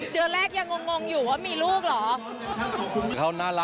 เดือนแรกยังงงอยู่ว่ามีลูกเหรอ